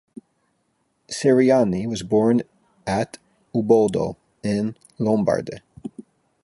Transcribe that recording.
Ceriani was born at Uboldo, in Lombardy.